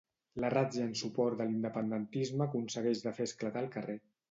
La ràtzia en suport de l'independentisme aconsegueix de fer esclatar el carrer.